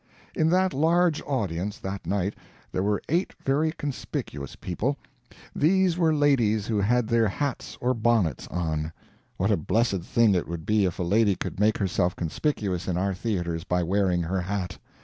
In that large audience, that night, there were eight very conspicuous people. These were ladies who had their hats or bonnets on. What a blessed thing it would be if a lady could make herself conspicuous in our theaters by wearing her hat.